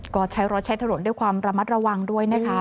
ก็ใช้รถใช้ถนนด้วยความระมัดระวังด้วยนะคะ